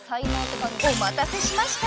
［お待たせしました。